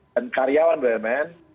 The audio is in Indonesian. dan karyawan bumn